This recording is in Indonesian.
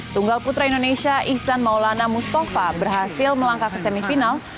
tunggal putra indonesia ihsan maulana mustafa berhasil melangkah ke semifinal